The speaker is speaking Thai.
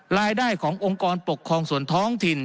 รายได้ขององค์กรปกครองส่วนท้องถิ่น